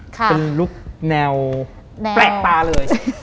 เป็นลุคแนวแปลกตาเลย